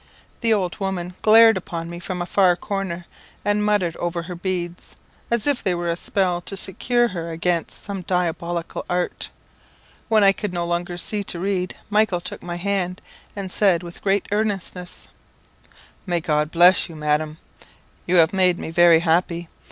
The old woman glared upon me from a far corner, and muttered over her beads, as if they were a spell to secure her against some diabolical art. When I could no longer see to read, Michael took my hand, and said with great earnestness "May God bless you, Madam! You have made me very happy.